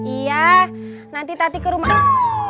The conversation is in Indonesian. iya nanti tati ke rumah